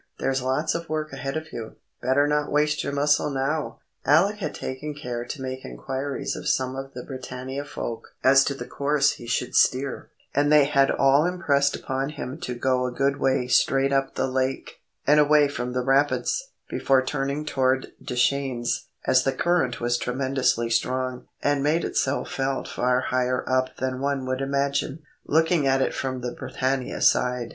There's lots of work ahead of you. Better not waste your muscle now!" Alec had taken care to make inquiries of some of the Britannia folk as to the course he should steer, and they had all impressed upon him to go a good way straight up the lake, and away from the rapids, before turning toward Deschenes, as the current was tremendously strong, and made itself felt far higher up than one would imagine, looking at it from the Britannia side.